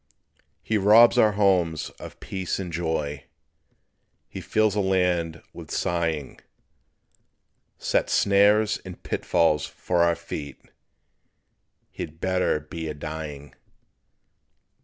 He robs our homes of peace and joy; He fills the land with sighing; Sets snares and pitfalls for our feet, (He'd better be a dying.)